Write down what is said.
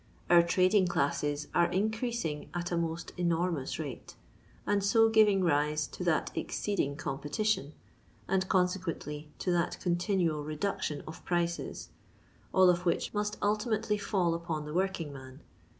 Our trading classes are in creasing at a most enormous rate, and so giving rise to that exceeding competition, and conse quently, to that continual reduction of prices — all of which must ultimately foil upon the working man.